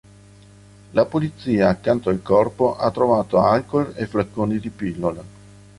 La polizia accanto al corpo ha trovato alcool e flaconi di pillole.